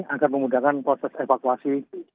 agar memudahkan proses evakuasi